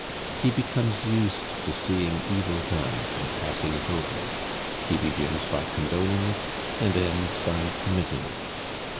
He becomes used to seeing evil done, and passing it over; he begins by condoning it, and ends by committing it.